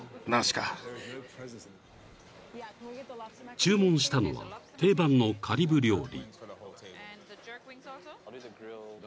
［注文したのは定番のカリブ料理］